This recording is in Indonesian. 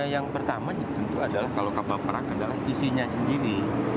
yang pertama tentu adalah kalau kapal perang adalah isinya sendiri